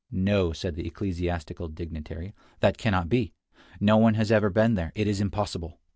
"No," said the ecclesiastical dignitary; "that cannot be. No one has ever been there. It is impossible."